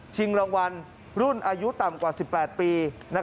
รางวัลรุ่นอายุต่ำกว่า๑๘ปี